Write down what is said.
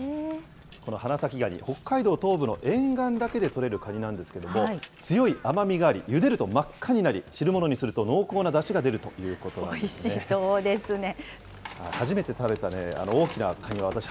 この花咲ガニ、北海道東部の沿岸だけで取れるカニなんですけれども、強い甘みがあり、ゆでると真っ赤になり、汁物にすると濃厚なだしが出るということなんですよね。